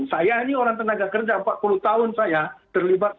saya ini orang tenaga kerja empat puluh tahun saya terlibat